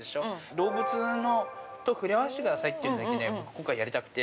動物と触れ合わせてくださいっていうのだけ、今回やりたくて。